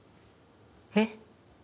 えっ？